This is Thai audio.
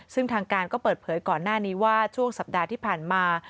ซึ่งทางการก็เปิดเผยก่อนหน้านี้ว่าช่วงสัปดาห์ที่ผ่านมา